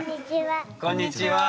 こんにちは。